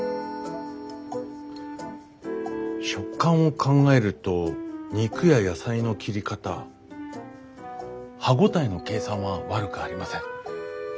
食感を考えると肉や野菜の切り方歯応えの計算は悪くありません。